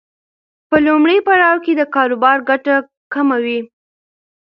په لومړي پړاو کې د کاروبار ګټه کمه وي.